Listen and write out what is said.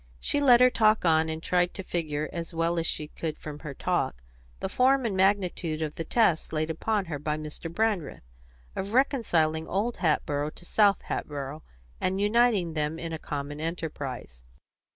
She let her talk on, and tried to figure, as well as she could from her talk, the form and magnitude of the task laid upon her by Mr. Brandreth, of reconciling Old Hatboro' to South Hatboro', and uniting them in a common enterprise.